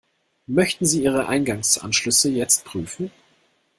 Möchten Sie Ihre Eingangsanschlüsse jetzt prüfen?